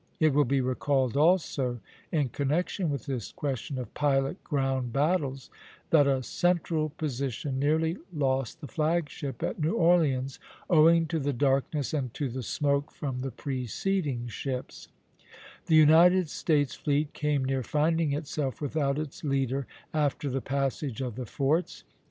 It will be recalled, also, in connection with this question of pilot ground battles, that a central position nearly lost the flag ship at New Orleans, owing to the darkness and to the smoke from the preceding ships; the United States fleet came near finding itself without its leader after the passage of the forts.